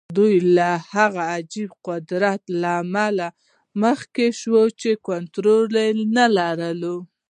دوی د هغه عجيبه قدرت له امله مخ شوي چې کنټرول نه لري.